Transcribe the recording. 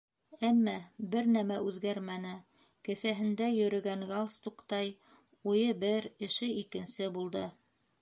Әммә бер нәмә үҙгәрмәне: кеҫәһендә йөрөгән галстуктай, уйы - бер, эше икенсе булды.